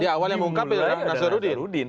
di awal yang mungkap ya nazarudin